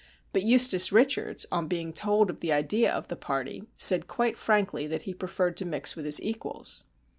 But Eustace Richards, on being told of the idea of the party, said quite frankly that he preferred to mix with his equals.